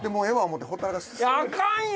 あかんよ！